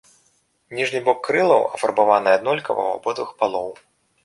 Ніжні бок крылаў афарбаваная аднолькава ў абодвух палоў.